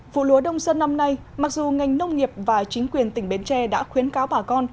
vụ lúa đông xuân năm nay mặc dù ngành nông nghiệp và chính quyền tỉnh bến tre đã khuyến cáo bà con